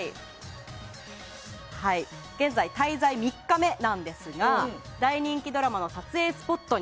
現在、滞在３日目なんですがまず大人気ドラマの撮影スポットに。